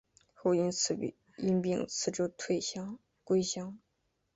后因病辞职归乡。